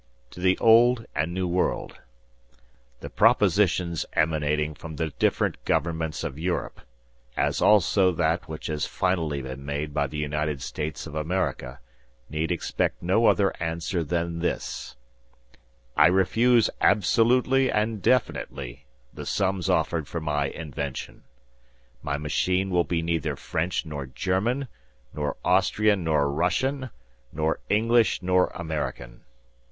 To the Old and New World, The propositions emanating from the different governments of Europe, as also that which has finally been made by the United States of America, need expect no other answer than this: I refuse absolutely and definitely the sums offered for my invention. My machine will be neither French nor German, nor Austrian nor Russian, nor English nor American.